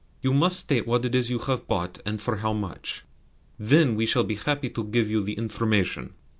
"You must state what it is you have bought, and for how much. THEN we shall be happy to give you the information."